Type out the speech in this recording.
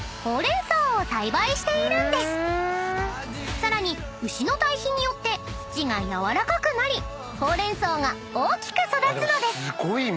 ［さらに牛の堆肥によって土が軟らかくなりほうれん草が大きく育つのです］